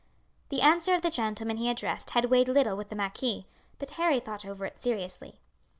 The answer of the gentleman he addressed had weighed little with the marquis, but Harry thought over it seriously.